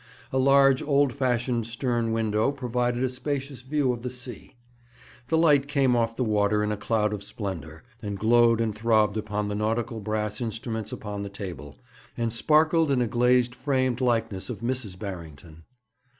A large, old fashioned stern window provided a spacious view of the sea. The light came off the water in a cloud of splendour, and glowed and throbbed upon the nautical brass instruments upon the table, and sparkled in a glazed framed likeness of Mrs. Barrington.